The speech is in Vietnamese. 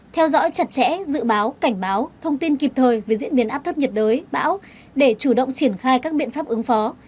theo dõi chặt chẽ dự báo cảnh báo thông tin kịp thời về diễn biến áp thấp nhiệt đới bão để chủ động triển khai các biện pháp ứng phó